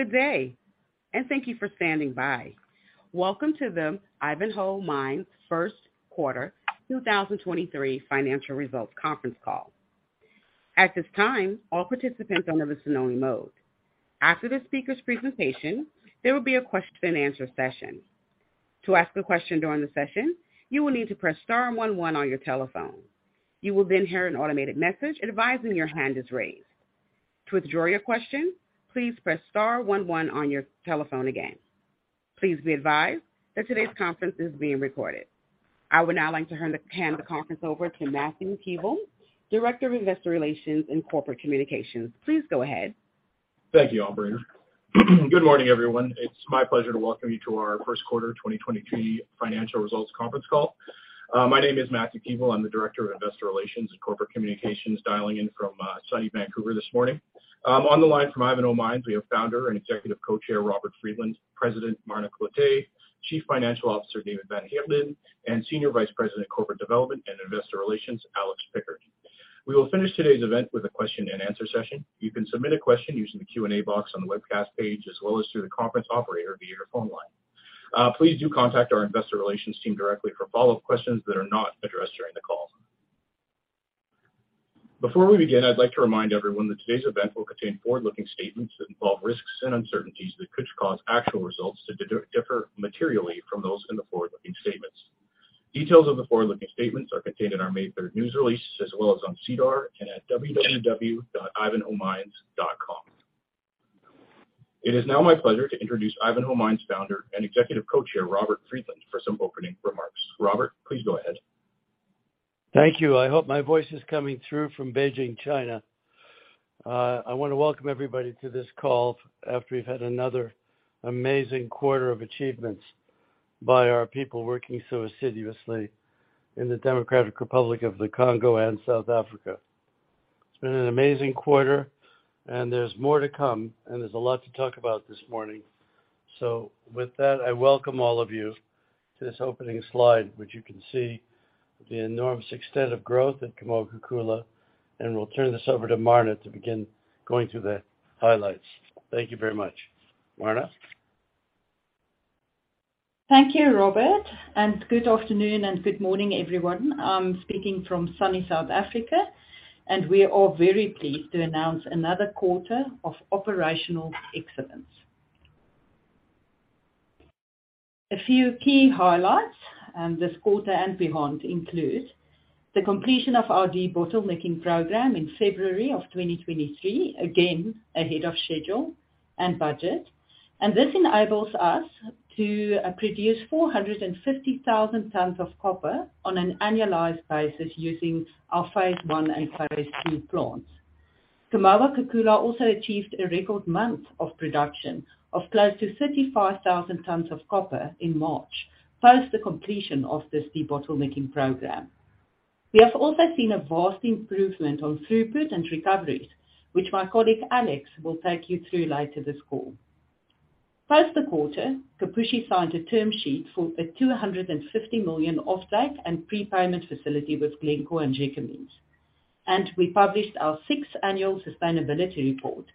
Good day. Thank you for standing by. Welcome to the Ivanhoe Mines first quarter 2023 financial results conference call. At this time, all participants on the listen-only mode. After the speaker's presentation, there will be a Q&A session. To ask a question during the session, you will need to press star one one on your telephone. You will hear an automated message advising your hand is raised. To withdraw your question, please press star one one on your telephone again. Please be advised that today's conference is being recorded. I would now like to hand the conference over to Matthew Keevil, Director of Investor Relations and Corporate Communications. Please go ahead. Thank you, operator. Good morning, everyone. It's my pleasure to welcome you to our first quarter 2023 financial results conference call. My name is Matthew Keevil. I'm the Director of Investor Relations and Corporate Communications, dialing in from sunny Vancouver this morning. On the line from Ivanhoe Mines, we have Founder and Executive Co-Chair, Robert Friedland, President Marna Cloete, Chief Financial Officer David van Heerden, and Senior Vice President, Corporate Development and Investor Relations, Alex Pickard. We will finish today's event with a Q&A session. You can submit a question using the Q&A box on the webcast page as well as through the conference operator via your phone line. Please do contact our investor relations team directly for follow-up questions that are not addressed during the call. Before we begin, I'd like to remind everyone that today's event will contain forward-looking statements that involve risks and uncertainties which could cause actual results to differ materially from those in the forward-looking statements. Details of the forward-looking statements are contained in our May third news release as well as on SEDAR and at www.ivanhoemines.com. It is now my pleasure to introduce Ivanhoe Mines Founder and Executive Co-Chairman, Robert Friedland, for some opening remarks. Robert, please go ahead. Thank you. I hope my voice is coming through from Beijing, China. I wanna welcome everybody to this call after we've had another amazing quarter of achievements by our people working so assiduously in the Democratic Republic of the Congo and South Africa. It's been an amazing quarter, there's more to come, and there's a lot to talk about this morning. With that, I welcome all of you to this opening slide, which you can see the enormous extent of growth at Kamoa-Kakula, and we'll turn this over to Marna to begin going through the highlights. Thank you very much. Marna? Thank you, Robert. Good afternoon and good morning, everyone. I'm speaking from sunny South Africa. We are all very pleased to announce another quarter of operational excellence. A few key highlights this quarter and beyond include the completion of our debottlenecking program in February of 2023, again ahead of schedule and budget. This enables us to produce 450,000 tons of copper on an annualized basis using our phase I and phase II plants. Kamoa-Kakula also achieved a record month of production of close to 35,000 tons of copper in March post the completion of this debottlenecking program. We have also seen a vast improvement on throughput and recoveries, which my colleague Alex will take you through later this call. Post the quarter, Kipushi signed a term sheet for a $250 million off-take and prepayment facility with Glencore and Gécamines. We published our sixth annual sustainability report,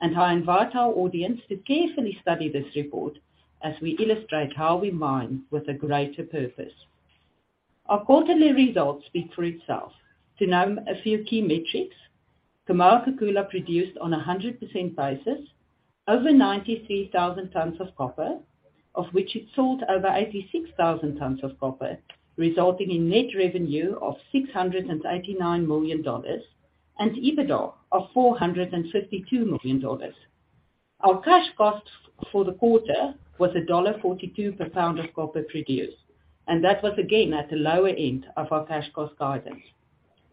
and I invite our audience to carefully study this report as we illustrate how we mine with a greater purpose. Our quarterly results speak for itself. To name a few key metrics, Kamoa-Kakula produced on a 100% basis over 93,000 tons of copper, of which it sold over 86,000 tons of copper, resulting in net revenue of $689 million and EBITDA of $452 million. Our cash costs for the quarter was $1.42 per pound of copper produced, and that was again at the lower end of our cash cost guidance.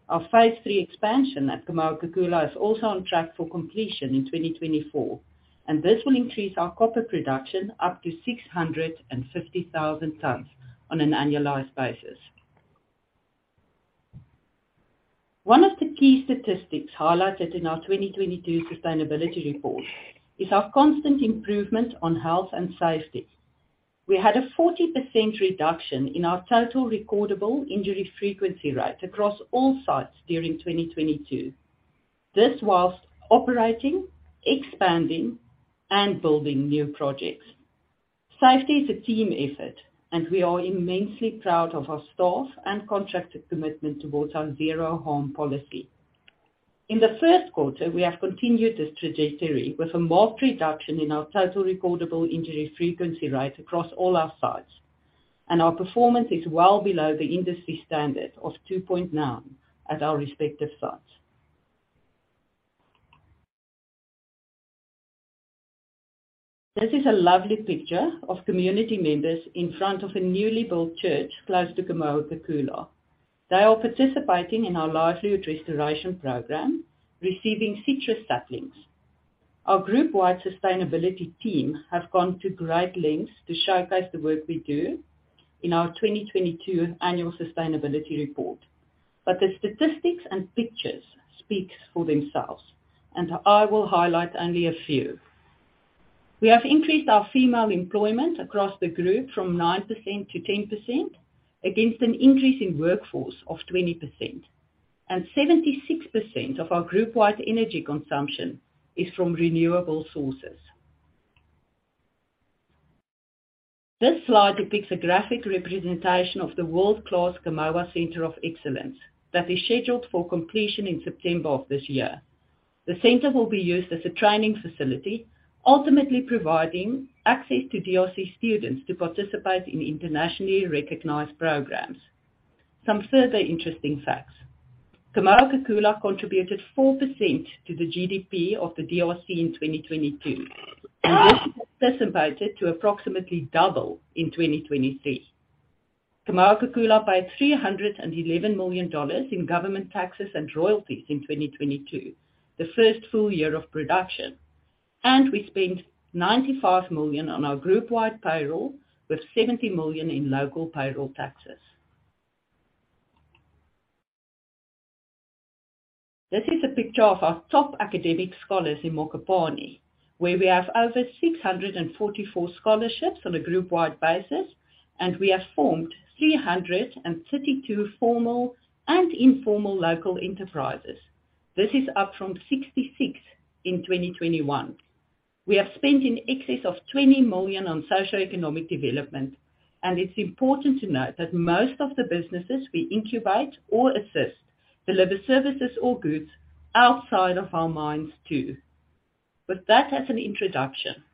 Our phase III expansion at Kamoa-Kakula is also on track for completion in 2024, and this will increase our copper production up to 650,000 tons on an annualized basis. One of the key statistics highlighted in our 2022 sustainability report is our constant improvement on health and safety. We had a 40% reduction in our Total Recordable Injury Frequency Rate across all sites during 2022. This whilst operating, expanding, and building new projects. Safety is a team effort, and we are immensely proud of our staff and contracted commitment towards our Zero Harm Policy. In the first quarter, we have continued this trajectory with a marked reduction in our Total Recordable Injury Frequency Rate across all our sites, and our performance is well below the industry standard of 2.9 at our respective sites. This is a lovely picture of community members in front of a newly built church close to Kamoa-Kakula. They are participating in our livelihood restoration program, receiving citrus saplings. Our group-wide sustainability team have gone to great lengths to showcase the work we do in our 2022 annual sustainability report. The statistics and pictures speaks for themselves, and I will highlight only a few. We have increased our female employment across the group from 9% to 10% against an increase in workforce of 20%. 76% of our group-wide energy consumption is from renewable sources. This slide depicts a graphic representation of the world-class Kamoa Centre of Excellence that is scheduled for completion in September of this year. The center will be used as a training facility, ultimately providing access to DRC students to participate in internationally recognized programs. Some further interesting facts. Kamoa-Kakula contributed 4% to the GDP of the DRC in 2022, and this is anticipated to approximately double in 2023. Kamoa-Kakula paid $311 million in government taxes and royalties in 2022, the first full year of production. We spent $95 million on our group-wide payroll, with $70 million in local payroll taxes. This is a picture of our top academic scholars in Mokopane, where we have over 644 scholarships on a group-wide basis, and we have formed 332 formal and informal local enterprises. This is up from 66 in 2021. We have spent in excess of $20 million on socio-economic development, and it's important to note that most of the businesses we incubate or assist deliver services or goods outside of our mines too. With that as an introduction,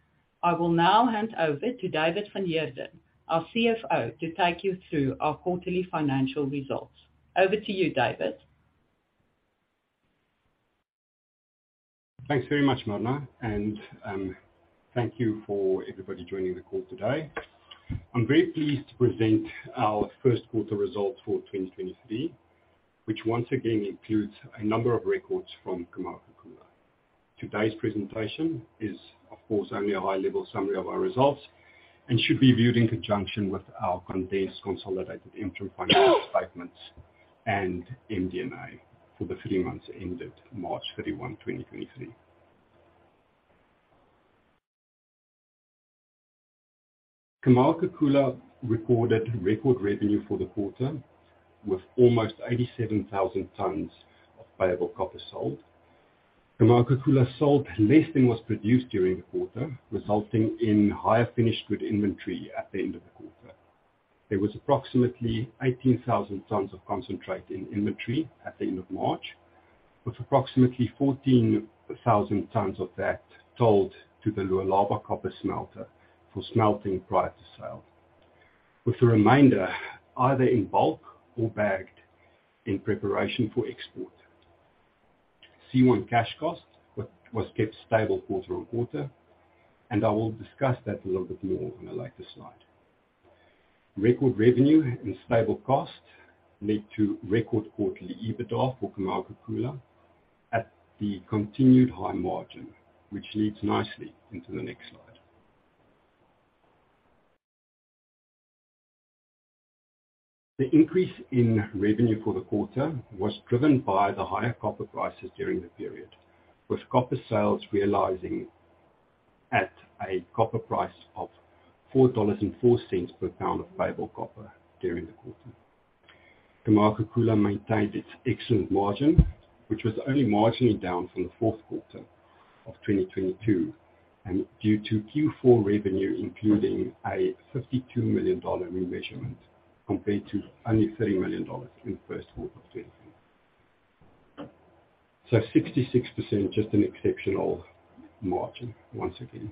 I will now hand over to David van Heerden, our CFO, to take you through our quarterly financial results. Over to you, David. Thanks very much, Marna. Thank you for everybody joining the call today. I'm very pleased to present our first quarter results for 2023, which once again includes a number of records from Kamoa-Kakula. Today's presentation is, of course, only a high-level summary of our results and should be viewed in conjunction with our condensed consolidated interim financial statements and MD&A for the three months ended March 31, 2023. Kamoa-Kakula recorded record revenue for the quarter with almost 87,000 tons of payable copper sold. Kamoa-Kakula sold less than was produced during the quarter, resulting in higher finished good inventory at the end of the quarter. There was approximately 18,000 tons of concentrate in inventory at the end of March, with approximately 14,000 tons of that sold to the Lualaba Copper Smelter for smelting prior to sale, with the remainder either in bulk or bagged in preparation for export. C1 cash cost was kept stable quarter-on-quarter. I will discuss that a little bit more on a later slide. Record revenue and stable cost led to record quarterly EBITDA for Kamoa-Kakula at the continued high margin, which leads nicely into the next slide. The increase in revenue for the quarter was driven by the higher copper prices during the period, with copper sales realizing at a copper price of $4.04 per pound of payable copper during the quarter. Kamoa-Kakula maintained its excellent margin, which was only marginally down from the fourth quarter of 2022, and due to Q4 revenue, including a $52 million remeasurement, compared to only $30 million in the first half of 2023. Sixty-six percent, just an exceptional margin once again.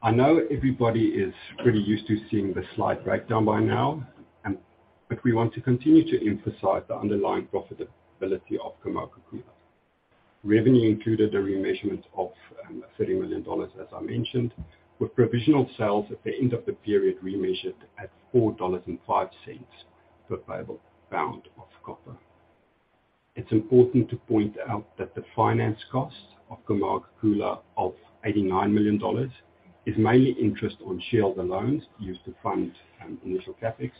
I know everybody is pretty used to seeing this slide breakdown by now, and, but we want to continue to emphasize the underlying profitability of Kamoa-Kakula. Revenue included a remeasurement of $30 million, as I mentioned, with provisional sales at the end of the period remeasured at $4.05 per payable pound of copper. It's important to point out that the finance cost of Kamoa-Kakula of $89 million is mainly interest on shareholder loans used to fund initial CapEx.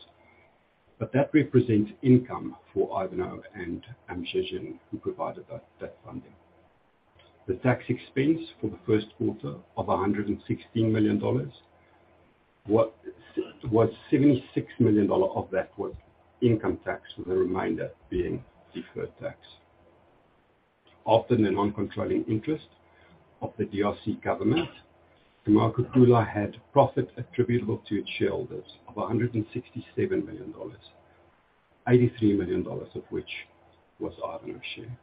That represents income for Ivanhoe and Zijin Mining who provided that funding. The tax expense for the first quarter of $116 million. $76 million of that was income tax, with the remainder being deferred tax. After the non-controlling interest of the DRC government, Kamoa-Kakula had profit attributable to its shareholders of $167 million, $83 million of which was Ivanhoe's share.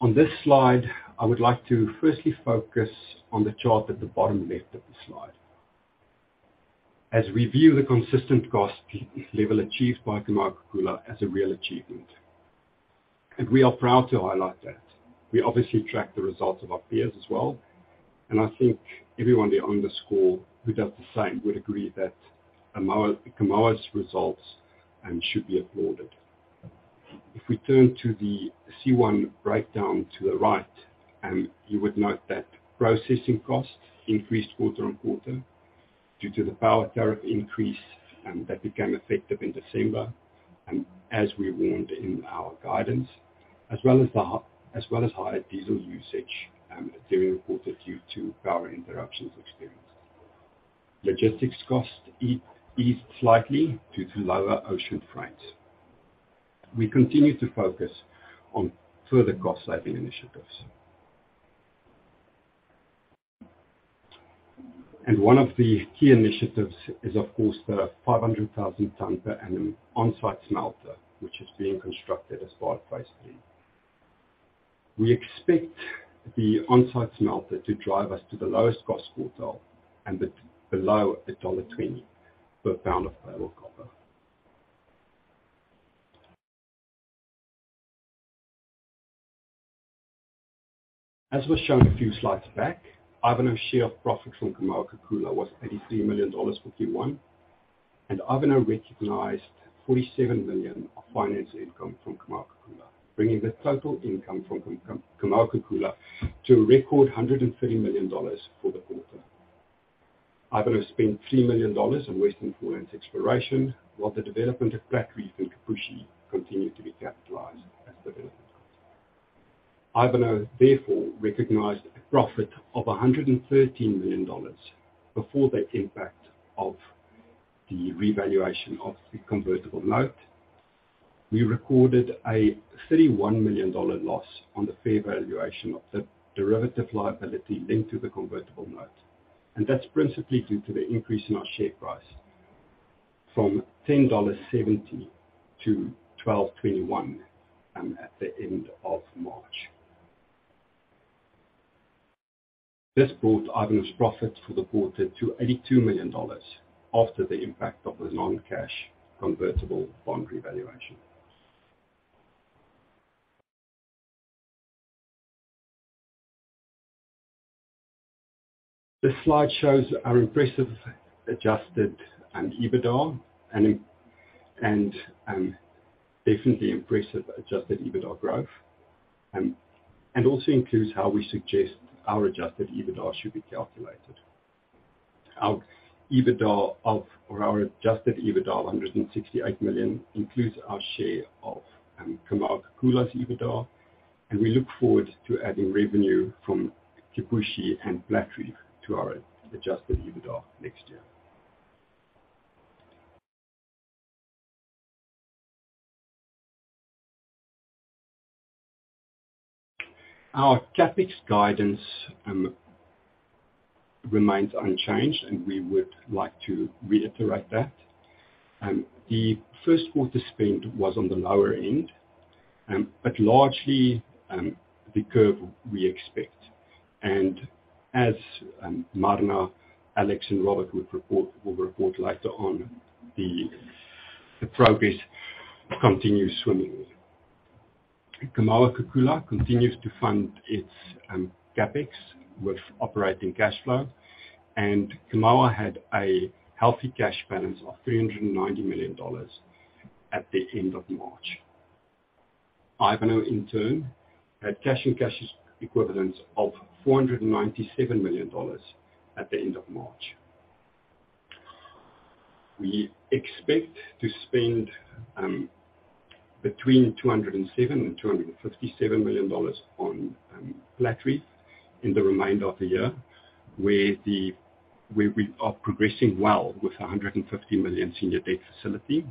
On this slide, I would like to firstly focus on the chart at the bottom left of the slide. We view the consistent cost level achieved by Kamoa-Kakula as a real achievement. We are proud to highlight that. We obviously track the results of our peers as well, I think everyone on the score who does the same would agree that Kamoa's results should be applauded. If we turn to the C1 breakdown to the right, you would note that processing costs increased quarter-on-quarter. Due to the power tariff increase that became effective in December, as well as higher diesel usage during the quarter due to power interruptions experienced. Logistics costs eased slightly due to lower ocean freight. We continue to focus on further cost-saving initiatives. One of the key initiatives is, of course, the 500,000 ton per annum on-site smelter, which is being constructed as part of phase III. We expect the on-site smelter to drive us to the lowest cost quartile and below $1.20 per pound of payable copper. As was shown a few slides back, Ivanhoe's share of profits from Kamoa-Kakula was $83 million for Q1, and Ivanhoe recognized $47 million of finance income from Kamoa-Kakula, bringing the total income from Kamoa-Kakula to a record $130 million for the quarter. Ivanhoe spent $3 million on Western Foreland exploration, while the development of Platreef and Kipushi continued to be capitalized as development costs. Ivanhoe therefore recognized a profit of $113 million before the impact of the revaluation of the convertible note. We recorded a $31 million loss on the fair valuation of the derivative liability linked to the convertible note. That's principally due to the increase in our share price from 10.70 dollars to 12.21 at the end of March. This brought Ivanhoe's profit for the quarter to $82 million after the impact of the non-cash convertible bond revaluation. This slide shows our impressive adjusted EBITDA and definitely impressive adjusted EBITDA growth. Also includes how we suggest our adjusted EBITDA should be calculated. Our adjusted EBITDA of $168 million includes our share of Kamoa-Kakula's EBITDA. We look forward to adding revenue from Kipushi and Platreef to our adjusted EBITDA next year. Our CapEx guidance remains unchanged. We would like to reiterate that. The first quarter spend was on the lower end, but largely, the curve we expect. As Marna, Alex, and Robert would report, will report later on, the progress continues swimmingly. Kamoa-Kakula continues to fund its CapEx with operating cash flow, and Kamoa had a healthy cash balance of $390 million at the end of March. Ivanhoe, in turn, had cash and cash equivalents of $497 million at the end of March. We expect to spend between $207 million-$257 million on Platreef in the remainder of the year, where we are progressing well with the $150 million senior debt facility,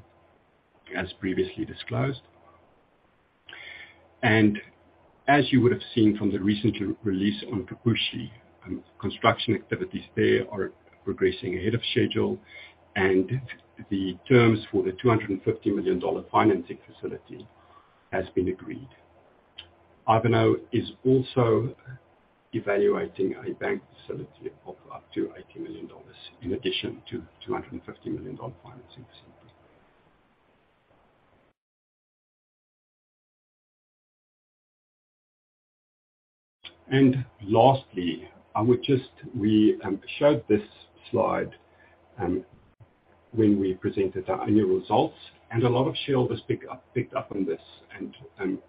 as previously disclosed. As you would have seen from the recent re-release on Kipushi, construction activities there are progressing ahead of schedule, and the terms for the $250 million financing facility has been agreed. Ivanhoe is also evaluating a bank facility of up to $80 million in addition to $250 million financing facility. Lastly, We showed this slide when we presented our annual results, and a lot of shareholders picked up on this.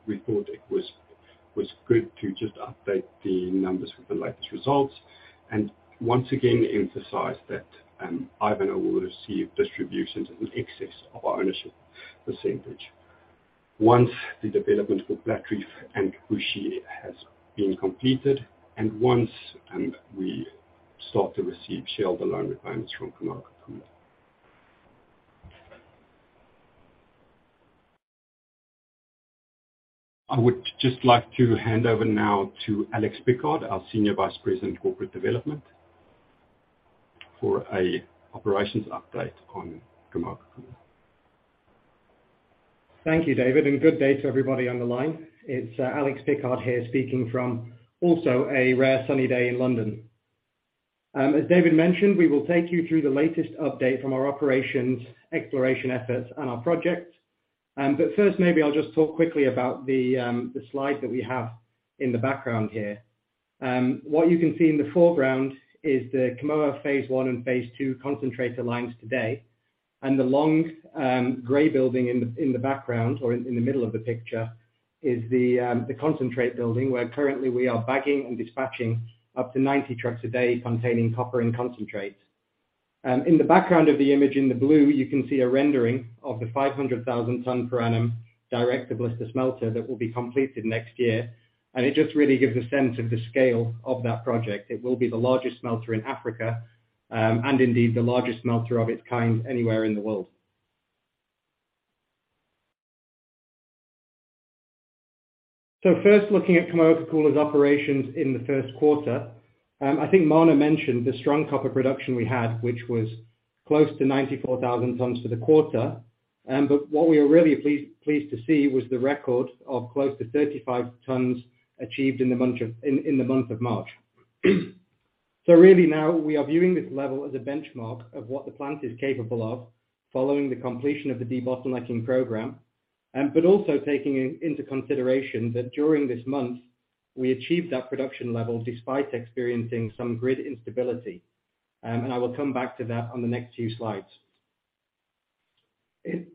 We thought it was good to just update the numbers with the latest results and once again emphasize that Ivanhoe will receive distributions in excess of our ownership percentage once the development of Platreef and Kipushi has been completed and once we start to receive shareholder loan repayments from Kamoa-Kakula. I would just like to hand over now to Alex Pickard, our Senior Vice President of Corporate Development, for a operations update on Kamoa-Kakula. Thank you, David. Good day to everybody on the line. It's Alex Pickard here speaking from also a rare sunny day in London. As David mentioned, we will take you through the latest update from our operations, exploration efforts, and our projects. First, maybe I'll just talk quickly about the slide that we have in the background here. What you can see in the foreground is the Kamoa phase I and phase II concentrator lines today. The long, gray building in the background or in the middle of the picture is the concentrate building, where currently we are bagging and dispatching up to 90 trucks a day containing copper and concentrate. In the background of the image in the blue, you can see a rendering of the 500,000 ton per annum direct to blister smelter that will be completed next year. It just really gives a sense of the scale of that project. It will be the largest smelter in Africa, and indeed the largest smelter of its kind anywhere in the world. First looking at Kamoa-Kakula's operations in the first quarter, I think Marna mentioned the strong copper production we had, which was close to 94,000 tons for the quarter. What we are really pleased to see was the record of close to 35 tons achieved in the month of March. Really now we are viewing this level as a benchmark of what the plant is capable of following the completion of the debottlenecking program, but also taking into consideration that during this month, we achieved that production level despite experiencing some grid instability, and I will come back to that on the next few slides.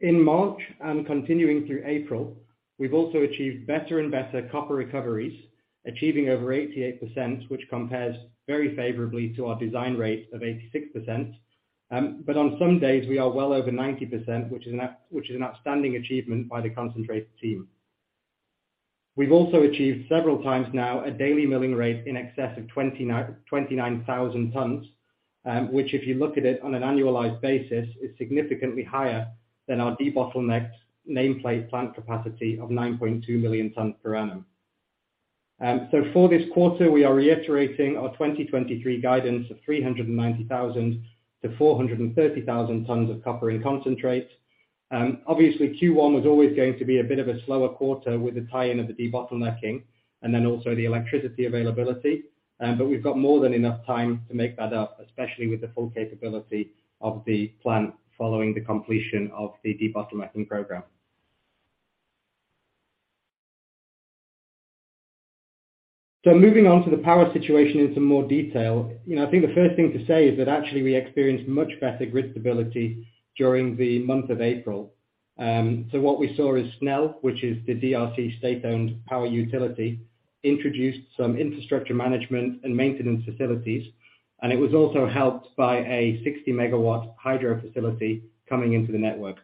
In March and continuing through April, we've also achieved better and better copper recoveries, achieving over 88%, which compares very favorably to our design rate of 86%. On some days, we are well over 90%, which is an outstanding achievement by the concentrate team. We've also achieved several times now a daily milling rate in excess of 29,000 tons, which, if you look at it on an annualized basis, is significantly higher than our debottlenecked nameplate plant capacity of 9.2 million tons per annum. For this quarter, we are reiterating our 2023 guidance of 390,000-430,000 tons of copper and concentrate. Obviously Q1 was always going to be a bit of a slower quarter with the tie-in of the debottlenecking and then also the electricity availability, but we've got more than enough time to make that up, especially with the full capability of the plant following the completion of the debottlenecking program. Moving on to the power situation in some more detail, you know, I think the first thing to say is that actually we experienced much better grid stability during the month of April. What we saw is SNEL, which is the DRC state-owned power utility, introduced some infrastructure management and maintenance facilities, and it was also helped by a 60 MW hydro facility coming into the network.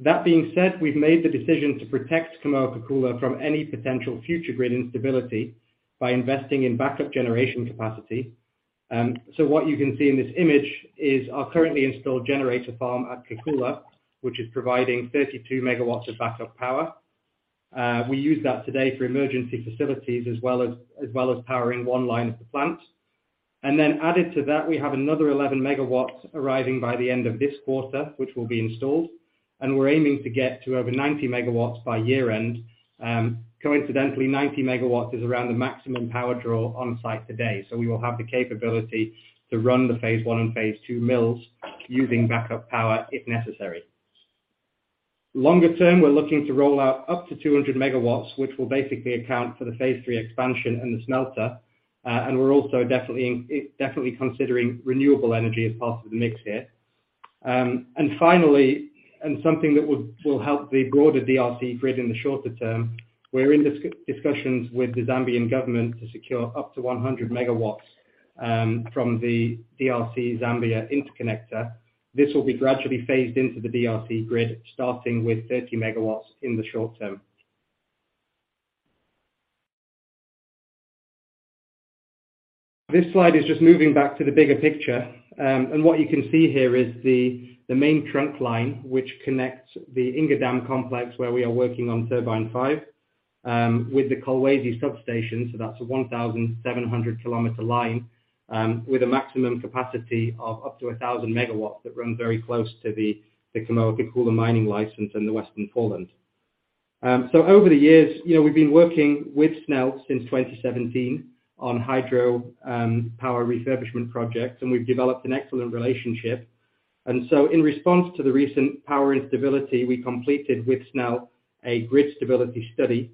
That being said, we've made the decision to protect Kamoa-Kakula from any potential future grid instability by investing in backup generation capacity. What you can see in this image is our currently installed generator farm at Kamoa-Kakula, which is providing 32 MW of backup power. We use that today for emergency facilities as well as powering one line of the plant. Added to that, we have another 11 MW arriving by the end of this quarter, which will be installed, and we're aiming to get to over 90 MW by year end. Coincidentally, 90 MW is around the maximum power draw on site today. We will have the capability to run the phase I and phase II mills using backup power if necessary. Longer term, we're looking to roll out up to 200 MW, which will basically account for the phase III expansion and the smelter. We're also definitely considering renewable energy as part of the mix here. Finally, something that will help the broader DRC grid in the shorter term, we're in discussions with the Zambian government to secure up to 100 MW from the DRC-Zambia interconnector. This will be gradually phased into the DRC grid, starting with 30 MW in the short term. This slide is just moving back to the bigger picture. What you can see here is the main trunk line, which connects the Inga Dam complex, where we are working on turbine five, with the Kolwezi substation. That's a 1,700 kilometer line, with a maximum capacity of up to 1,000 MW that runs very close to the Kamoa-Kakula mining license in the Western Foreland. Over the years, you know, we've been working with SNEL since 2017 on hydro power refurbishment projects, and we've developed an excellent relationship. In response to the recent power instability, we completed with SNEL a grid stability study.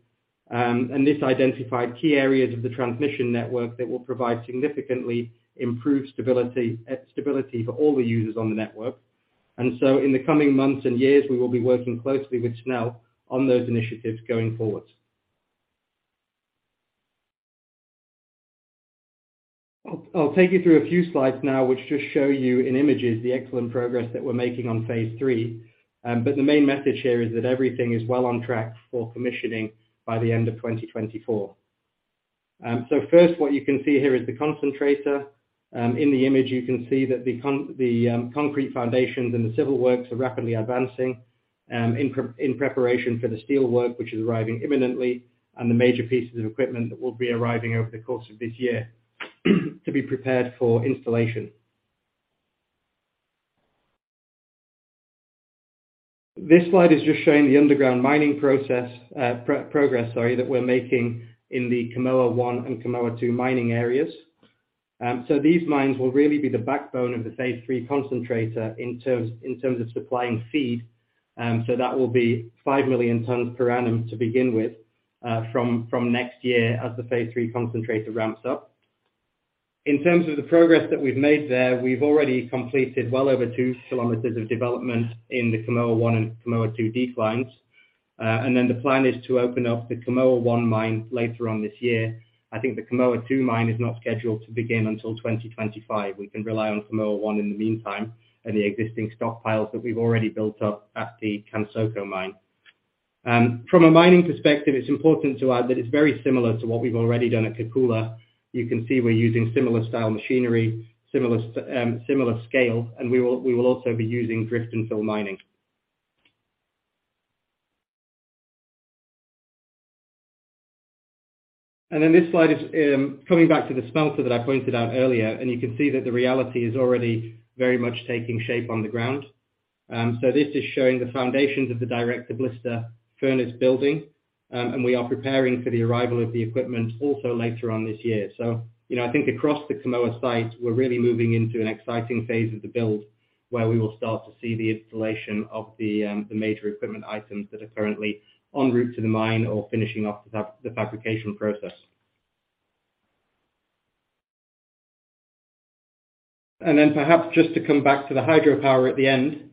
This identified key areas of the transmission network that will provide significantly improved stability for all the users on the network. In the coming months and years, we will be working closely with SNEL on those initiatives going forward. I'll take you through a few slides now which just show you in images the excellent progress that we're making on phase III. The main message here is that everything is well on track for commissioning by the end of 2024. First, what you can see here is the concentrator. In the image you can see that the concrete foundations and the civil works are rapidly advancing in preparation for the steel work, which is arriving imminently, and the major pieces of equipment that will be arriving over the course of this year to be prepared for installation. This slide is just showing the underground mining process that we're making in the Kamoa 1 and Kamoa 2 mining areas. These mines will really be the backbone of the phase III concentrator in terms of supplying feed. That will be 5 million tons per annum to begin with from next year as the phase III concentrator ramps up. In terms of the progress that we've made there, we've already completed well over 2 kilometers of development in the Kamoa 1 and Kamoa 2 declines. The plan is to open up the Kamoa 1 mine later on this year. I think the Kamoa 2 mine is not scheduled to begin until 2025. We can rely on Kamoa 1 in the meantime, and the existing stockpiles that we've already built up at the Kansoko mine. From a mining perspective, it's important to add that it's very similar to what we've already done at Kakula. You can see we're using similar style machinery, similar scale, and we will also be using drift and fill mining. This slide is coming back to the smelter that I pointed out earlier, and you can see that the reality is already very much taking shape on the ground. This is showing the foundations of the direct to blister furnace building. We are preparing for the arrival of the equipment also later on this year. You know, I think across the Kamoa site, we're really moving into an exciting phase of the build where we will start to see the installation of the major equipment items that are currently en route to the mine or finishing off the fabrication process. Perhaps just to come back to the hydropower at the end,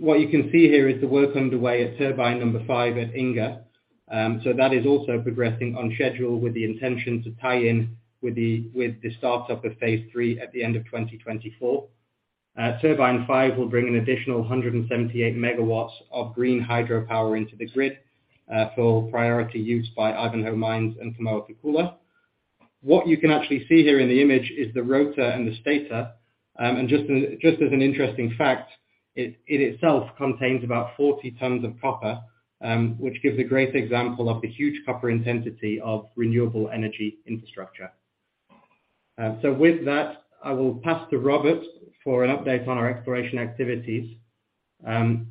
what you can see here is the work underway at turbine number 5 at Inga. That is also progressing on schedule with the intention to tie in with the, with the start-up of phase III at the end of 2024. Turbine 5 will bring an additional 178 MW of green hydropower into the grid, for priority use by Ivanhoe Mines and Kamoa-Kakula. What you can actually see here in the image is the rotor and the stator. Just as an interesting fact, it itself contains about 40 tons of copper, which gives a great example of the huge copper intensity of renewable energy infrastructure. With that, I will pass to Robert for an update on our exploration activities.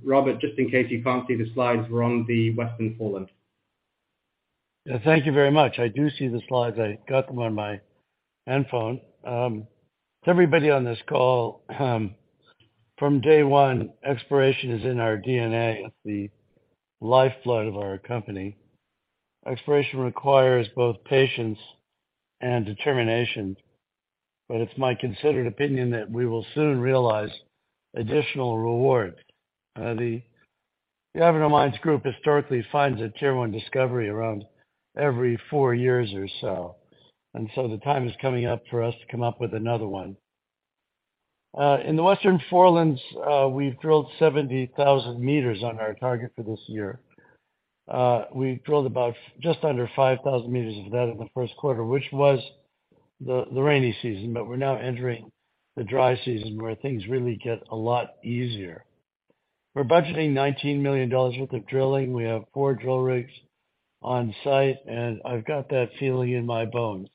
Robert, just in case you can't see the slides, we're on the Western Forelands. Yeah. Thank you very much. I do see the slides. I got them on my handphone. To everybody on this call, from day one, exploration is in our DNA. It's the lifeblood of our company. Exploration requires both patience and determination, but it's my considered opinion that we will soon realize additional reward. The Ivanhoe Mines group historically finds a tier one discovery around every four years or so, and so the time is coming up for us to come up with another one. In the Western Foreland, we've drilled 70,000 meters on our target for this year. We drilled about just under 5,000 meters of that in the first quarter, which was the rainy season, but we're now entering the dry season, where things really get a lot easier. We're budgeting $19 million worth of drilling. We have four drill rigs on site. I've got that feeling in my bones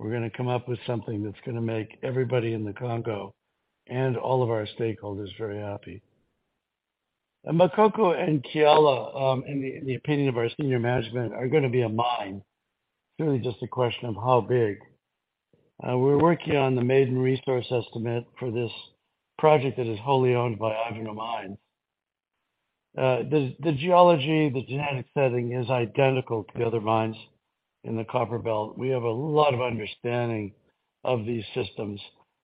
that we're gonna come up with something that's gonna make everybody in the Congo and all of our stakeholders very happy. Makoko and Kiala, in the opinion of our senior management, are gonna be a mine. It's really just a question of how big. We're working on the maiden resource estimate for this project that is wholly owned by Ivanhoe Mines. The geology, the genetic setting is identical to the other mines in the Copperbelt. We have a lot of understanding of these systems,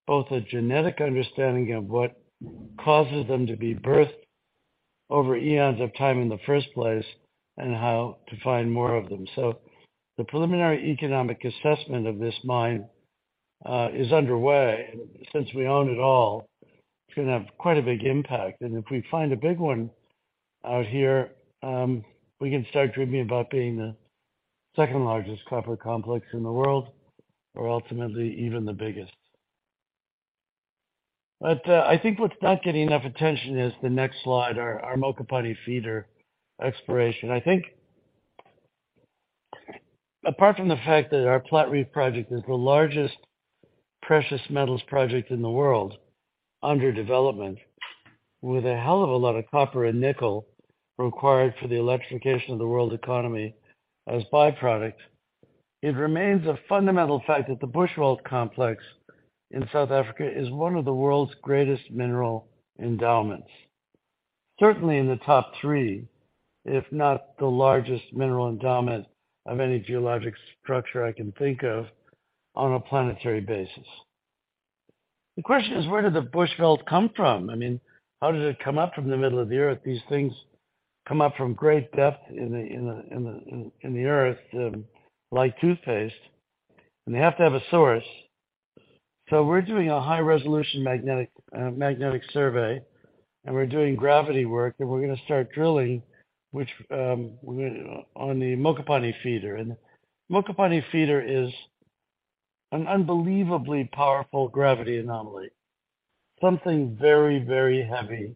both a genetic understanding of what causes them to be birthed over eons of time in the first place and how to find more of them. The preliminary economic assessment of this mine is underway. Since we own it all, it's gonna have quite a big impact. If we find a big one out here, we can start dreaming about being the second-largest copper complex in the world or ultimately even the biggest. What's not getting enough attention is the next slide, our Mokopane Feeder exploration. I think apart from the fact that our Platreef project is the largest precious metals project in the world under development, with a hell of a lot of copper and nickel required for the electrification of the world economy as by-product, it remains a fundamental fact that the Bushveld Complex in South Africa is one of the world's greatest mineral endowments. Certainly in the top three, if not the largest mineral endowment of any geologic structure I can think of on a planetary basis. The question is, where did the Bushveld come from? I mean, how did it come up from the middle of the Earth? These things come up from great depth in the, in the, in the, in the Earth, like toothpaste, and they have to have a source. So we're doing a high-resolution magnetic survey, and we're doing gravity work, and we're gonna start drilling, which on the Mokopane Feeder. Mokopane Feeder is an unbelievably powerful gravity anomaly. Something very, very heavy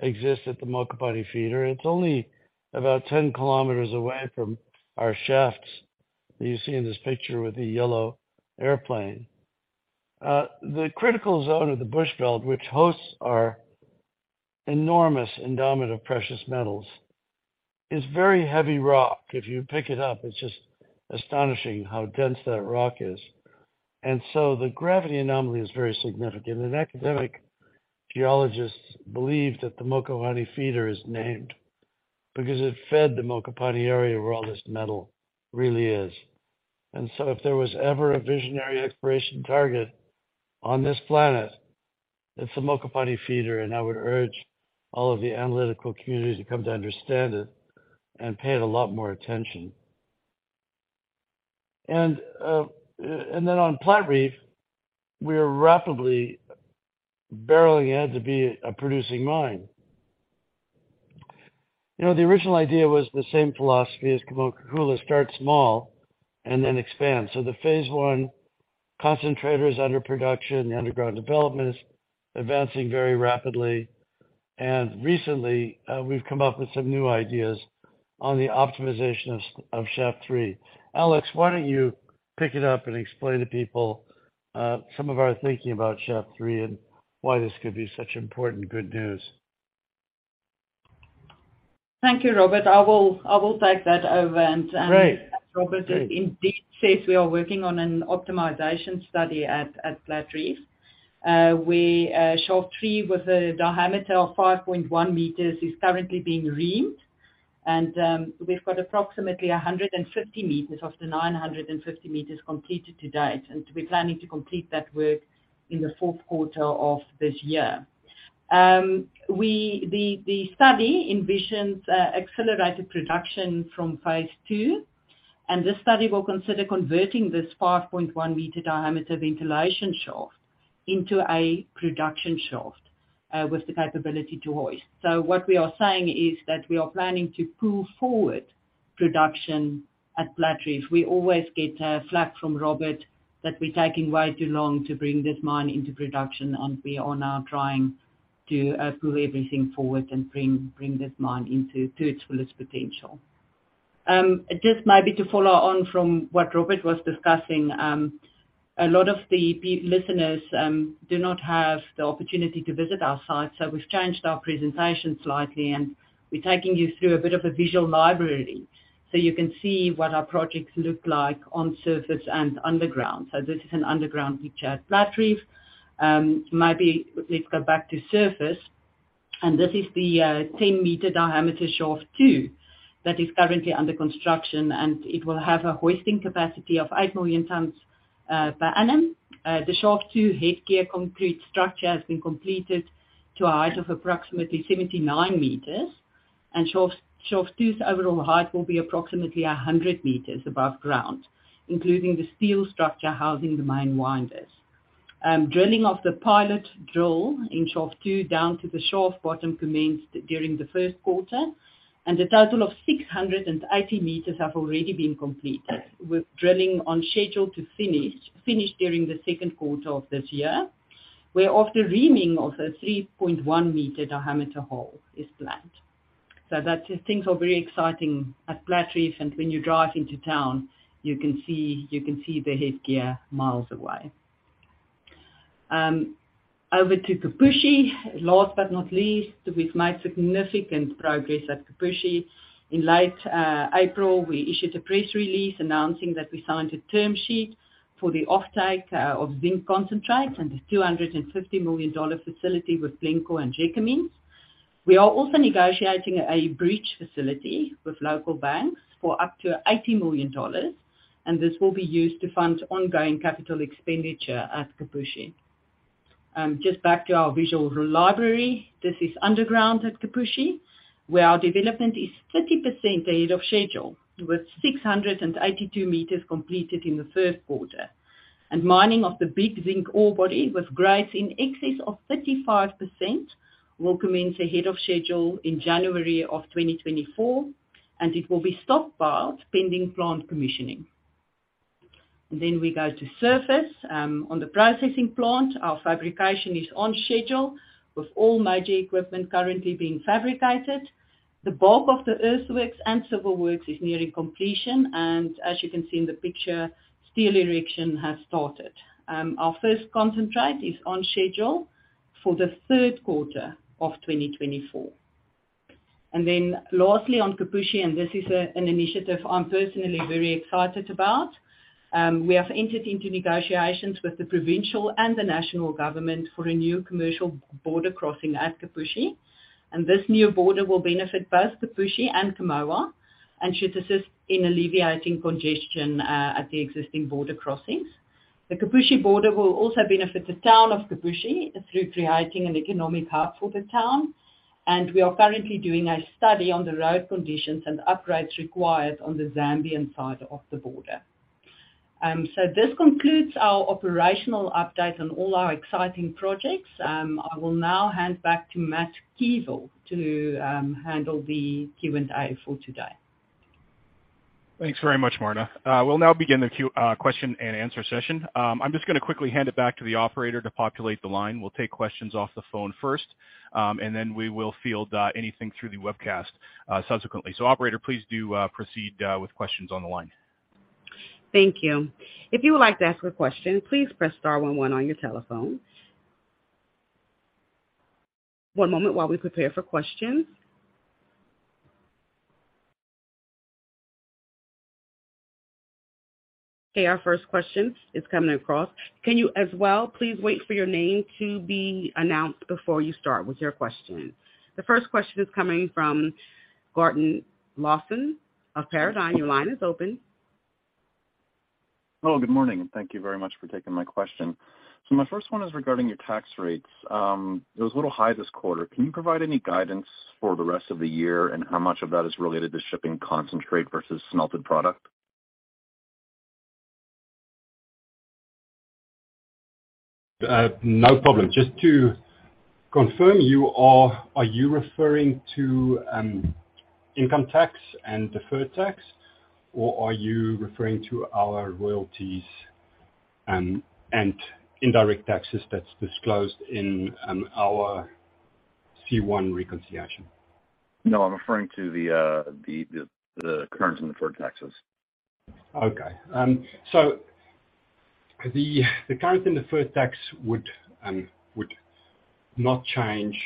exists at the Mokopane Feeder. It's only about 10 kilometers away from our shafts that you see in this picture with the yellow airplane. The critical zone of the Bushveld, which hosts our enormous endowment of precious metals, is very heavy rock. If you pick it up, it's just astonishing how dense that rock is. The gravity anomaly is very significant. Academic geologists believe that the Mokopane Feeder is named because it fed the Mokopane area where all this metal really is. If there was ever a visionary exploration target on this planet, it's the Mokopane Feeder, and I would urge all of the analytical community to come to understand it and pay it a lot more attention. On Platreef, we are rapidly barreling ahead to be a producing mine. You know, the original idea was the same philosophy as Mogalakwena, start small and then expand. The phase I concentrator is under production. The underground development is advancing very rapidly. Recently, we've come up with some new ideas on the optimization of shaft three. Alex, why don't you pick it up and explain to people, some of our thinking about shaft 3 and why this could be such important good news. Thank you, Robert. I will take that over and. Great. As Robert indeed says, we are working on an optimization study at Platreef, where shaft three, with a diameter of 5.1 meters, is currently being reamed. We've got approximately 150 meters of the 950 meters completed to date, and we're planning to complete that work in the fourth quarter of this year. The study envisions accelerated production from phase II, and this study will consider converting this 5.1 meter diameter ventilation shaft into a production shaft, with the capability to hoist. What we are saying is that we are planning to pull forward production at Platreef. We always get flak from Robert that we're taking way too long to bring this mine into production, and we are now trying to pull everything forward and bring this mine into its fullest potential. Just maybe to follow on from what Robert was discussing, a lot of the listeners do not have the opportunity to visit our site, so we've changed our presentation slightly, and we're taking you through a bit of a visual library so you can see what our projects look like on surface and underground. This is an underground picture at Platreef. Maybe let's go back to surface. This is the 10-meter diameter shaft two that is currently under construction, and it will have a hoisting capacity of 8 million tons per annum. The shaft two headgear concrete structure has been completed to a height of approximately 79 meters, and shaft two's overall height will be approximately 100 meters above ground, including the steel structure housing the mine winders. Drilling of the pilot drill in shaft two down to the shaft bottom commenced during the first quarter, and a total of 680 meters have already been completed, with drilling on schedule to finish during the second quarter of this year, whereafter reaming of the 3.1 meter diameter hole is planned. That's it. Things are very exciting at Platreef, and when you drive into town, you can see the headgear miles away. Over to Kipushi. Last but not least, we've made significant progress at Kipushi. In late April, we issued a press release announcing that we signed a term sheet for the offtake of zinc concentrate and a $250 million facility with Glencore and Gécamines. We are also negotiating a bridge facility with local banks for up to $80 million, and this will be used to fund ongoing capital expenditure at Kipushi. Just back to our visual library. This is underground at Kipushi, where our development is 30% ahead of schedule, with 682 meters completed in the first quarter. Mining of the big zinc ore body with grades in excess of 35% will commence ahead of schedule in January of 2024, and it will be stockpiled pending plant commissioning. We go to surface. On the processing plant, our fabrication is on schedule, with all major equipment currently being fabricated. The bulk of the earthworks and civil works is nearing completion, and as you can see in the picture, steel erection has started. Our first concentrate is on schedule for the third quarter of 2024. Lastly, on Kipushi, this is an initiative I'm personally very excited about, we have entered into negotiations with the provincial and the national government for a new commercial border crossing at Kipushi. This new border will benefit both Kipushi and Kamoa and should assist in alleviating congestion at the existing border crossings. The Kipushi border will also benefit the town of Kipushi through creating an economic hub for the town. We are currently doing a study on the road conditions and upgrades required on the Zambian side of the border. This concludes our operational update on all our exciting projects. I will now hand back to Matthew Keevil to handle the Q&A for today. Thanks very much, Marna. We'll now begin the Q&A session. I'm just gonna quickly hand it back to the operator to populate the line. We'll take questions off the phone first, and then we will field anything through the webcast subsequently. Operator, please do proceed with questions on the line. Thank you. If you would like to ask a question, please press star one one on your telephone. One moment while we prepare for questions. Okay. Our first question is coming across. Can you as well, please wait for your name to be announced before you start with your question. The first question is coming from Gordon Lawson of Paradigm. Your line is open. Hello, good morning, and thank you very much for taking my question. My first one is regarding your tax rates. It was a little high this quarter. Can you provide any guidance for the rest of the year and how much of that is related to shipping concentrate versus smelted product? No problem. Just to confirm, are you referring to income tax and deferred tax or are you referring to our royalties and indirect taxes that's disclosed in our C1 reconciliation? No, I'm referring to the current and deferred taxes. Okay. The current and deferred tax would not change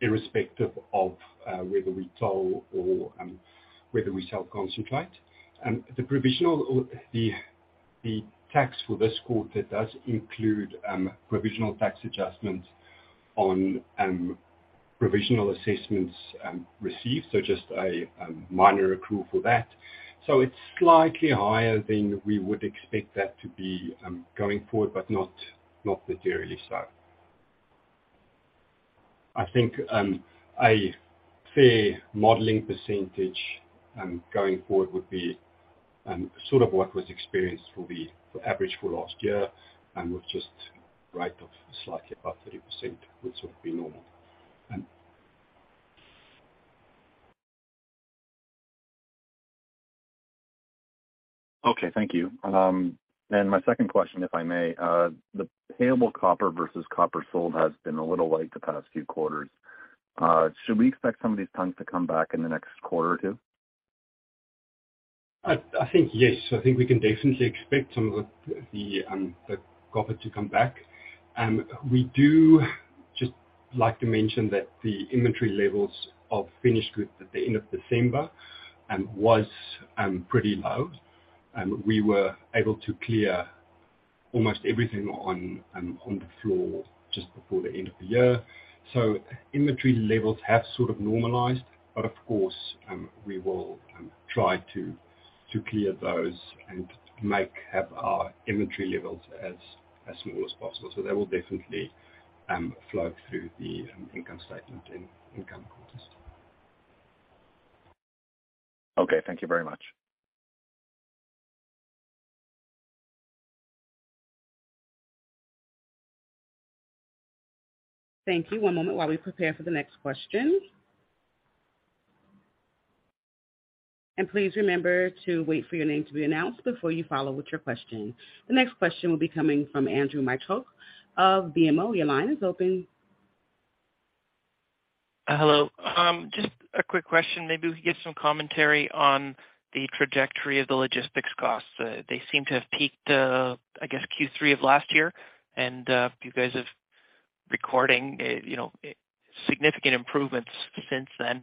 irrespective of whether we toll or whether we sell concentrate. The provisional or the tax for this quarter does include provisional tax adjustments on provisional assessments received, just a minor accrual for that. It's slightly higher than we would expect that to be going forward, but not materially so. I think a fair modeling percentage going forward would be sort of what was experienced for the average for last year and was just right of slightly above 30% would sort of be normal. Okay. Thank you. My second question, if I may. The payable copper versus copper sold has been a little light the past few quarters. Should we expect some of these tons to come back in the next quarter or two? I think yes. I think we can definitely expect some of the copper to come back. We do just like to mention that the inventory levels of finished goods at the end of December was pretty low. We were able to clear almost everything on the floor just before the end of the year. Inventory levels have sort of normalized. Of course, we will try to clear those and make have our inventory levels as small as possible. That will definitely flow through the income statement in income quarters. Okay. Thank you very much. Thank you. One moment while we prepare for the next question. Please remember to wait for your name to be announced before you follow with your question. The next question will be coming from Andrew Mikitchook of BMO. Your line is open. Hello. Just a quick question. Maybe we could get some commentary on the trajectory of the logistics costs. They seem to have peaked, I guess Q3 of last year. You guys have recording, you know, significant improvements since then.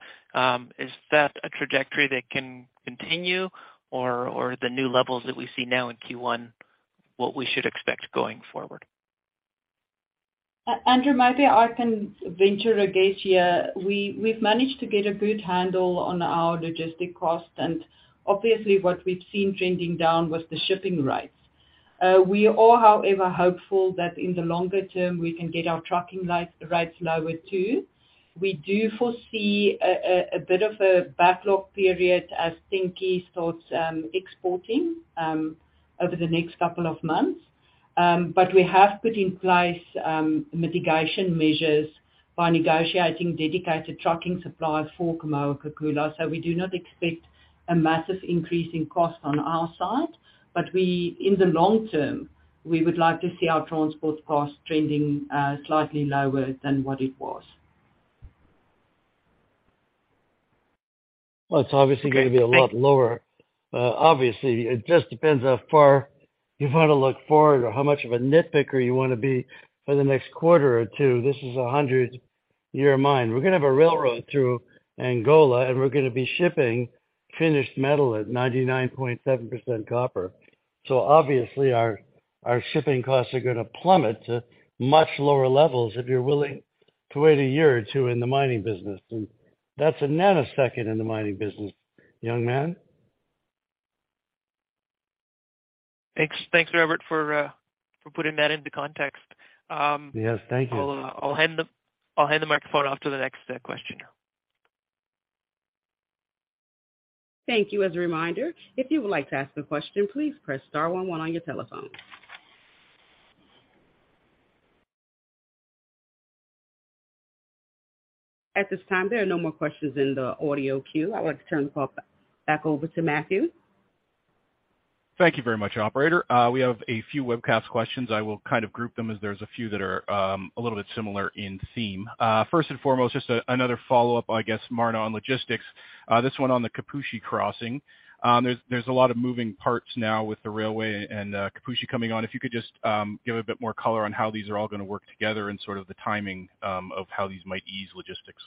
Is that a trajectory that can continue or the new levels that we see now in Q1 what we should expect going forward? Andrew, maybe I can venture a guess here. We've managed to get a good handle on our logistic cost, obviously what we've seen trending down was the shipping rates. We are all, however, hopeful that in the longer term we can get our trucking rates lower too. We do foresee a bit of a backlog period as Kipushi starts exporting over the next 2 months. We have put in place mitigation measures by negotiating dedicated trucking suppliers for Kamoa-Kakula. We do not expect a massive increase in cost on our side, but we, in the long term, we would like to see our transport costs trending slightly lower than what it was. It's obviously gonna be a lot lower. Obviously, it just depends how far you wanna look forward or how much of a nitpicker you wanna be for the next quarter or two. This is a 100-year mine. We're gonna have a railroad through Angola, and we're gonna be shipping finished metal at 99.7% copper. Obviously, our shipping costs are gonna plummet to much lower levels if you're willing to wait a year or two in the mining business. That's a nanosecond in the mining business, young man. Thanks, Robert, for putting that into context. Yes, thank you. I'll hand the microphone off to the next questioner. Thank you. As a reminder, if you would like to ask a question, please press star one one on your telephone. At this time, there are no more questions in the audio queue. I would like to turn the call back over to Matthew. Thank you very much, operator. We have a few webcast questions. I will kind of group them as there's a few that are a little bit similar in theme. First and foremost, just another follow-up, I guess, Marna, on logistics. This one on the Kipushi crossing. There's a lot of moving parts now with the railway and Kipushi coming on. If you could just give a bit more color on how these are all gonna work together and sort of the timing of how these might ease logistics.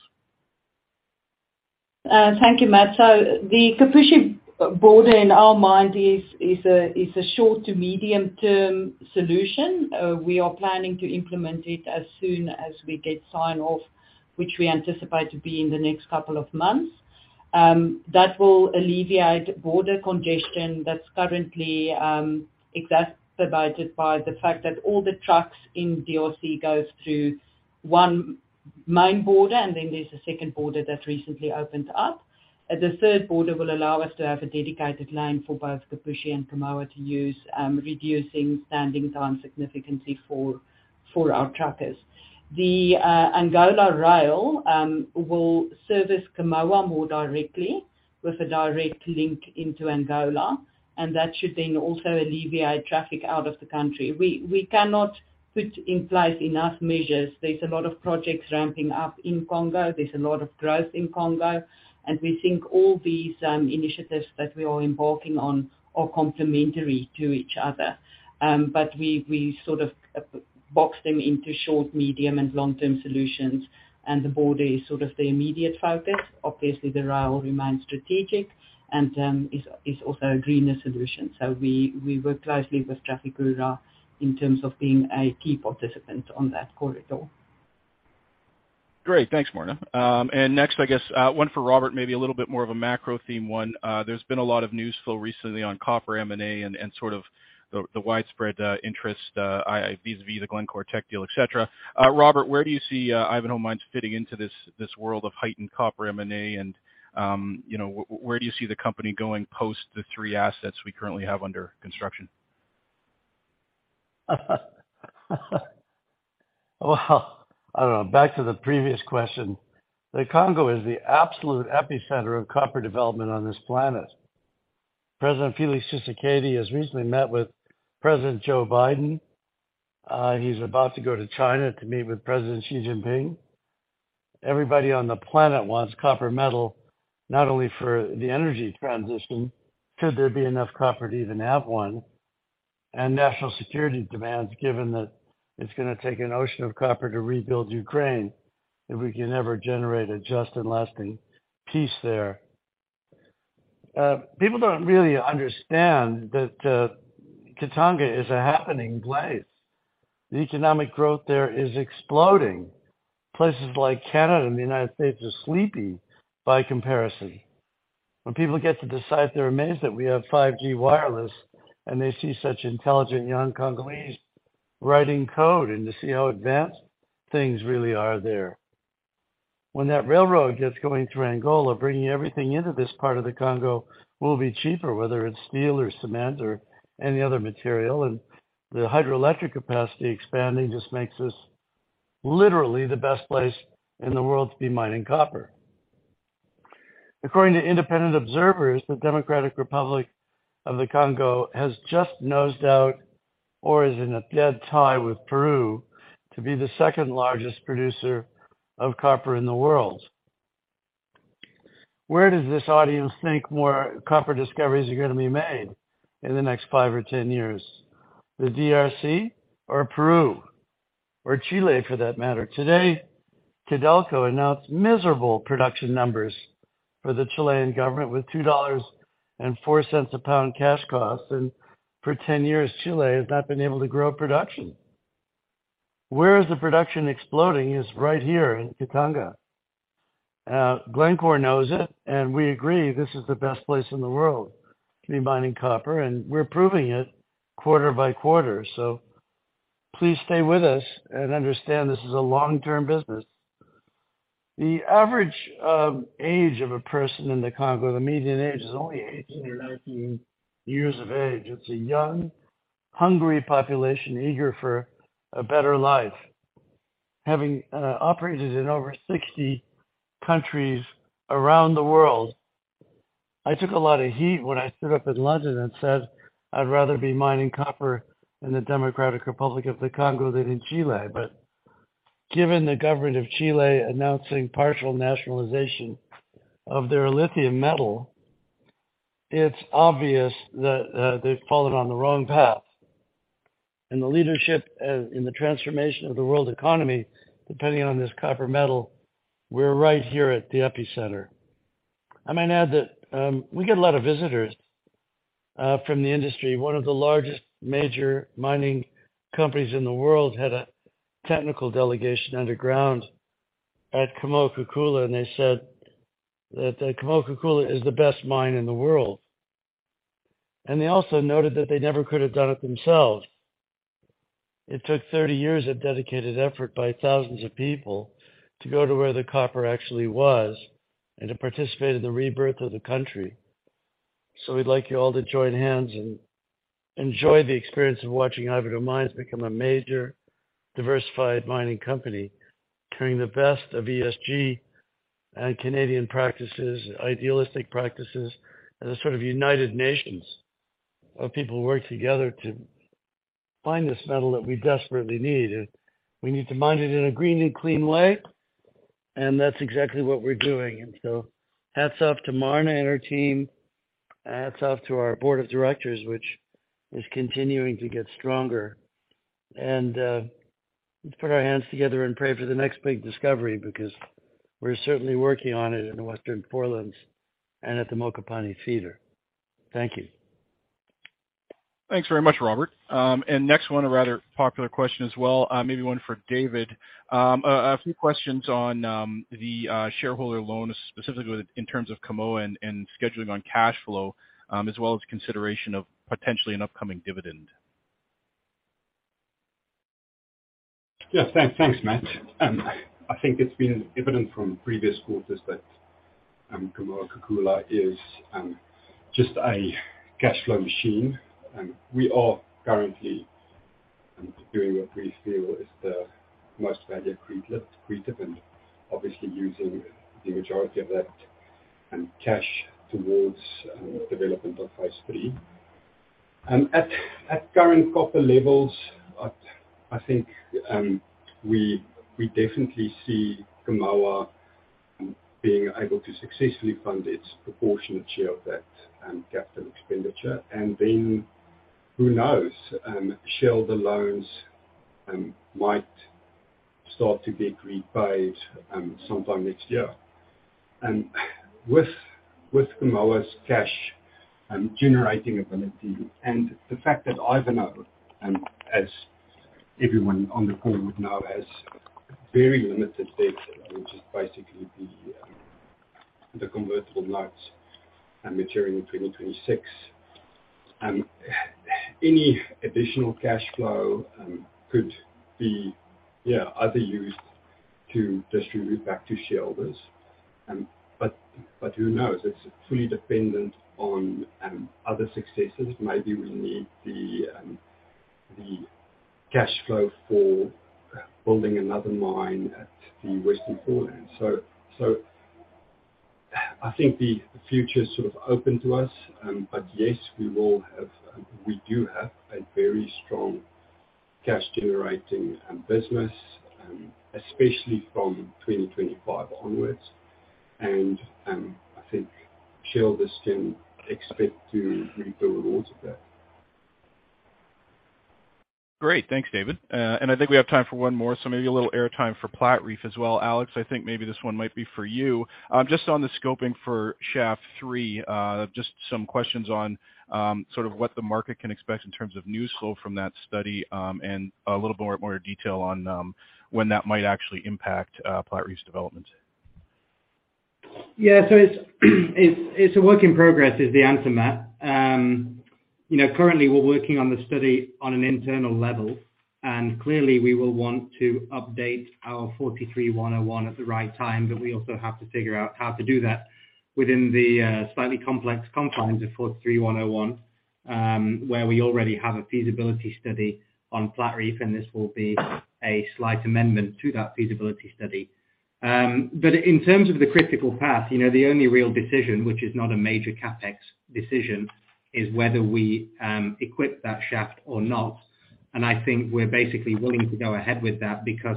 Thank you, Matt. The Kipushi border in our mind is a short to medium-term solution. We are planning to implement it as soon as we get sign off, which we anticipate to be in the next couple of months. That will alleviate border congestion that's currently exacerbated by the fact that all the trucks in DRC goes through 1 main border, then there's a second border that recently opened up. The third border will allow us to have a dedicated line for both Kipushi and Kamoa to use, reducing standing time significantly for our truckers. The Angola Rail will service Kamoa more directly with a direct link into Angola, and that should then also alleviate traffic out of the country. We cannot put in place enough measures. There's a lot of projects ramping up in Congo. There's a lot of growth in Congo. We think all these initiatives that we are embarking on are complementary to each other. We sort of box them into short, medium, and long-term solutions, and the border is sort of the immediate focus. Obviously, the rail remains strategic and is also a greener solution. We work closely with Trafigura in terms of being a key participant on that corridor. Great. Thanks, Marna. Next, I guess, one for Robert, maybe a little bit more of a macro theme one. There's been a lot of news flow recently on copper M&A and sort of the widespread, interest, vis-a-vis the Glencore tech deal, et cetera. Robert, where do you see Ivanhoe Mines fitting into this world of heightened copper M&A and, you know, where do you see the company going post the three assets we currently have under construction? Well, I don't know. Back to the previous question, the Congo is the absolute epicenter of copper development on this planet. President Félix Tshisekedi has recently met with President Joe Biden. He's about to go to China to meet with President Xi Jinping. Everybody on the planet wants copper metal not only for the energy transition, should there be enough copper to even have one, and national security demands, given that it's gonna take an ocean of copper to rebuild Ukraine, if we can ever generate a just and lasting peace there. People don't really understand that Katanga is a happening place. The economic growth there is exploding. Places like Canada and the United States are sleepy by comparison. When people get to decide, they're amazed that we have 5G wireless and they see such intelligent young Congolese writing code and to see how advanced things really are there. When that railroad gets going through Angola, bringing everything into this part of the Congo will be cheaper, whether it's steel or cement or any other material. The hydroelectric capacity expanding just makes this literally the best place in the world to be mining copper. According to independent observers, the Democratic Republic of the Congo has just nosed out or is in a dead tie with Peru to be the second-largest producer of copper in the world. Where does this audience think more copper discoveries are gonna be made in the next five or ten years? The DRC or Peru or Chile, for that matter? Today, Codelco announced miserable production numbers for the Chilean government with $2.04 a pound cash cost. For 10 years, Chile has not been able to grow production. Where is the production exploding is right here in Katanga. Glencore knows it, and we agree this is the best place in the world to be mining copper, and we're proving it quarter by quarter. Please stay with us and understand this is a long-term business. The average age of a person in the Congo, the median age, is only 18 or 19 years of age. It's a young, hungry population eager for a better life. Having operated in over 60 countries around the world, I took a lot of heat when I stood up in London and said, "I'd rather be mining copper in the Democratic Republic of the Congo than in Chile." Given the government of Chile announcing partial nationalization of their lithium metal, it's obvious that they've fallen on the wrong path. The leadership in the transformation of the world economy, depending on this copper metal, we're right here at the epicenter. I might add that we get a lot of visitors from the industry. One of the largest major mining companies in the world had a technical delegation underground at Kamoa-Kakula, and they said that Kamoa-Kakula is the best mine in the world. They also noted that they never could have done it themselves. It took 30 years of dedicated effort by thousands of people to go to where the copper actually was and to participate in the rebirth of the country. We'd like you all to join hands and enjoy the experience of watching Ivanhoe Mines become a major diversified mining company, carrying the best of ESG and Canadian practices, idealistic practices, as a sort of United Nations of people who work together to find this metal that we desperately need. We need to mine it in a green and clean way, and that's exactly what we're doing. Hats off to Marna and her team, and hats off to our board of directors, which is continuing to get stronger. Let's put our hands together and pray for the next big discovery because we're certainly working on it in the Western Foreland and at the Mokopane Feeder. Thank you. Thanks very much, Robert. Next one, a rather popular question as well, maybe one for David. A few questions on the shareholder loan, specifically in terms of Kamoa and scheduling on cash flow, as well as consideration of potentially an upcoming dividend. Yes, thanks, Matt. I think it's been evident from previous quarters that Kamoa-Kakula is just a cash flow machine. We are currently doing what we feel is the most value accretive, and obviously using the majority of that cash towards development of phase III. At current copper levels, I think we definitely see Kamoa being able to successfully fund its proportionate share of that capital expenditure. Then who knows, shareholder loans might start to get repaid sometime next year. With Kamoa's cash generating ability and the fact that Ivanhoe, as everyone on the call would know, has very limited debt, which is basically the convertible notes maturing in 2026. any additional cash flow, could be, yeah, either used to distribute back to shareholders, but who knows? It's fully dependent on other successes. Maybe we need the cash flow for building another mine at the Western Foreland. I think the future is sort of open to us. Yes, we will have, we do have a very strong cash generating business, especially from 2025 onwards. I think shareholders can expect to reap the rewards of that. Great. Thanks, David. I think we have time for one more, so maybe a little airtime for Platreef as well. Alex, I think maybe this one might be for you. Just on the scoping for shaft 3, just some questions on sort of what the market can expect in terms of news flow from that study, and a little more detail on when that might actually impact Platreef's development. Yeah. It's a work in progress, is the answer, Matt. You know, currently we're working on the study on an internal level, clearly we will want to update our NI 43-101 at the right time. We also have to figure out how to do that within the slightly complex confines of NI 43-101, where we already have a feasibility study on Platreef, this will be a slight amendment to that feasibility study. In terms of the critical path, you know, the only real decision, which is not a major CapEx decision, is whether we equip that shaft or not. I think we're basically willing to go ahead with that because,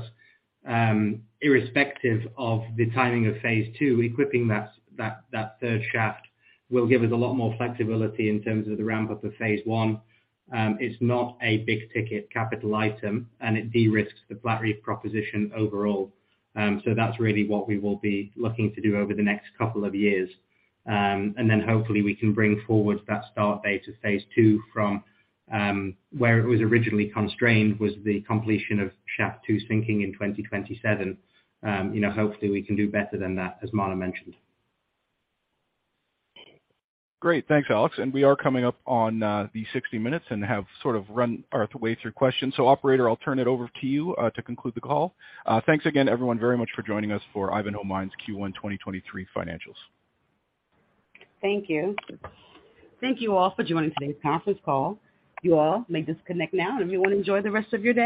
irrespective of the timing of phase II, equipping that third shaft will give us a lot more flexibility in terms of the ramp up of phase I. It's not a big ticket capital item, and it de-risks the Platreef proposition overall. That's really what we will be looking to do over the next couple of years. Hopefully we can bring forward that start date of phase II from, where it was originally constrained was the completion of shaft 2 sinking in 2027. You know, hopefully we can do better than that, as Marna mentioned. Great. Thanks, Alex. We are coming up on the 60 minutes and have sort of run our way through questions. Operator, I'll turn it over to you, to conclude the call. Thanks again everyone very much for joining us for Ivanhoe Mines' Q1 2023 financials. Thank you. Thank you all for joining today's conference call. You all may disconnect now, and we wanna enjoy the rest of your day.